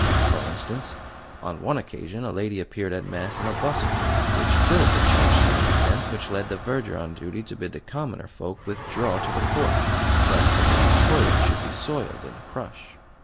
For instance, on one occasion a lady appeared at Mass in a bustle which filled the church to an extent which led the verger on duty to bid the commoner folk withdraw to the porch, lest the lady's toilet should be soiled in the crush.